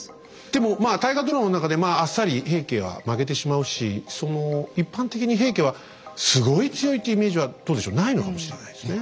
でもまあ大河ドラマの中でまああっさり平家は負けてしまうしその一般的に平家はすごい強いっていうイメージはどうでしょうないのかもしれないですね。